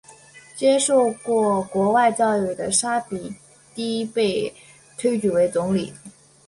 接受过国外教育的沙比提被推举为总理。